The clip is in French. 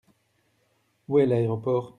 Où est l’aéroport ?